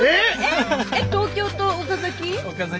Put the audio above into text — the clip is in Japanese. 東京と岡崎？